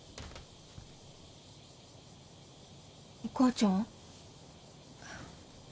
お母ちゃん？